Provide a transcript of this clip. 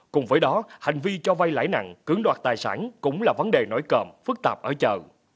cùng với đó hành vi cho vay lãi nặng cưỡng đoạt tài sản cũng là vấn đề nổi cơm phức tạp ở chợ